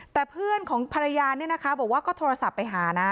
แต่เพื่อนของพระยาบอกว่าก็โทรศัพท์ไปหานะ